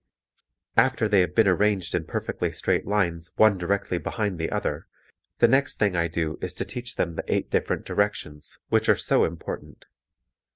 After they have been arranged in perfectly straight lines one directly behind the other, the next thing I do is to teach them the eight different directions, which are so important.